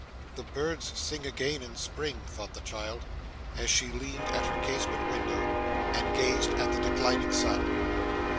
'The birds sing again in spring,' thought the child, as she leaned at her casement window, and gazed at the declining sun.